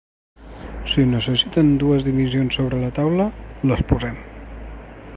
Si necessiten dues dimissions sobre la taula, les posem.